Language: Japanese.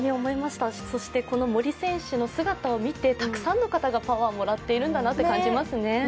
そしてこの森選手の姿を見てたくさんの方がパワーをもらっているんだなと感じますね。